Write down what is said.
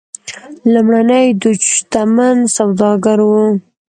لومړنی دوج شتمن سوداګر و.